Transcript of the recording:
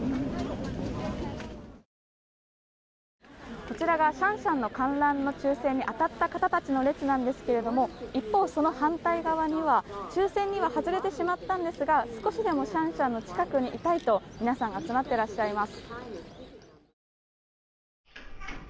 こちらがシャンシャンの観覧の抽選に当たった方たちの列なんですが一方、その反対側には抽選には外れてしまったんですが少しでもシャンシャンの近くにいたいと皆さん集まっていらっしゃいます。